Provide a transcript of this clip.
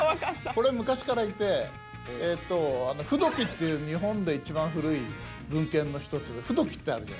これ昔からいて『風土記』っていう日本で一番古い文献の一つ『風土記』ってあるじゃないですか。